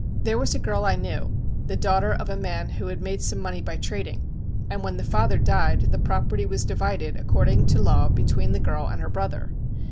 There was a girl I knew, the daughter of a man who had made some money by trading, and when the father died the property was divided according to law between the girl and her brother.